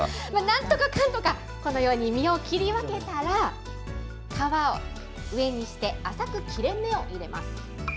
なんとかかんとか、このように身を切り分けたら、皮を上にして、浅く切れ目を入れます。